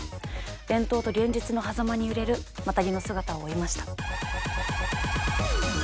伝統と現実のはざまに揺れるマタギの姿を追いました。